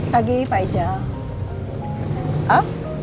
pagi pak jal